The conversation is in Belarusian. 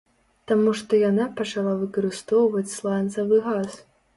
Таму што яна пачала выкарыстоўваць сланцавы газ.